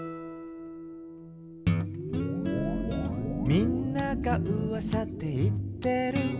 「みんながうわさで言ってる」